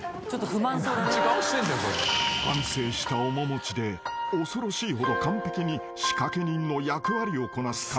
［反省した面持ちで恐ろしいほど完璧に仕掛け人の役割をこなす神田アナ］